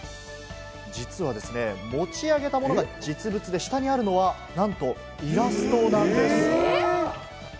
実はですね、持ち上げたものが実物で、下にあるのはなんとイラストなんです！